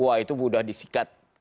wah itu mudah disikat